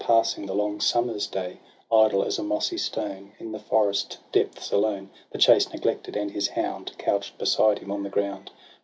Passing the long summer's day Idle as a mossy stone In the forest depths alone, The chase neglected, and his hound Couch'd beside him on the ground.